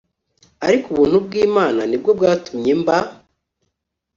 Ariko ubuntu bw Imana ni bwo bwatumye mba